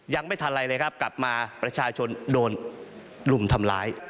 ยังไม่ทันอะไรเลยครับกลับมาประชาชนโดนลุมทำร้าย